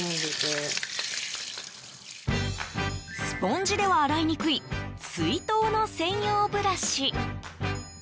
スポンジでは洗いにくい水筒の専用ブラシ。